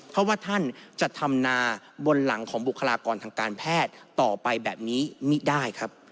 เพราะว่าท่านจะทำนาบนหลังของบุคลากรทางการแพทย์ต่อไปแบบนี้ไม่ได้ครับ